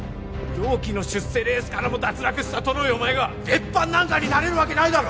同期の出世レースからも脱落したトロいお前が別班なんかになれるわけないだろ！